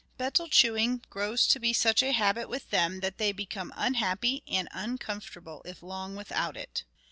Betel chewing grows to be such a habit with them that they become unhappy and uncomfortable if long without it.